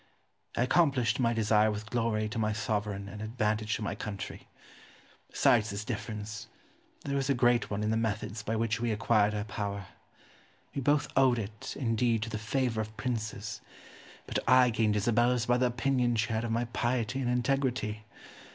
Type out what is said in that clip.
I accomplished my desire with glory to my sovereign and advantage to my country. Besides this difference, there was a great one in the methods by which we acquired our power. We both owed it, indeed, to the favour of princes; but I gained Isabella's by the opinion she had of my piety and integrity.